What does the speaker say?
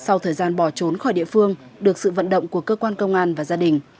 tối vừa qua sau thời gian bỏ trốn khỏi địa phương được sự vận động của cơ quan công an và gia đình